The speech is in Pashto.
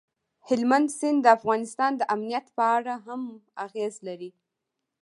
هلمند سیند د افغانستان د امنیت په اړه هم اغېز لري.